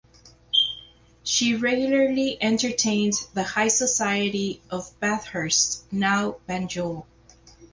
She regularly entertained the high society of "Bathurst" (now Banjul).